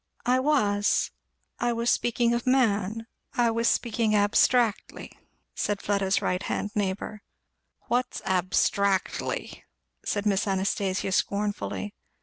"I was I was speaking of man I was speaking abstractly," said Fleda's right hand neighbour. "What's abstractly?" said Miss Anastasia scornfully.